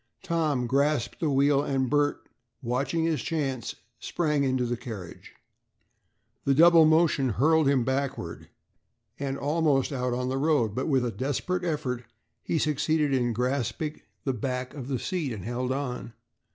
Tom grasped the wheel and Bert, watching his chance, sprang into the carriage. The double motion hurled him backward and almost out on the road, but with a desperate effort, he succeeded in grasping the back of the seat and held on.